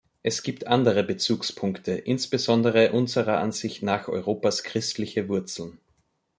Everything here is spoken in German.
Es gibt andere Bezugspunkte, insbesondere unserer Ansicht nach Europas christliche Wurzeln.